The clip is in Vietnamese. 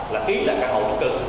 là ký kết hợp đồng là căn hộ du lịch